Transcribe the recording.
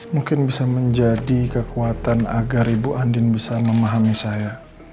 mungkin bisa menjadi kekuatan agar ibu andin bisa memahami saya